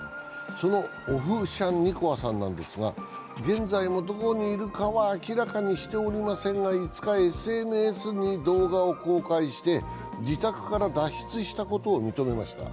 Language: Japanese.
そのオフシャンニコワさんなんですが、現在もどこにいるかは明らかにしておりませんが、５日、ＳＮＳに動画を公開して自宅から脱出したことを認めました。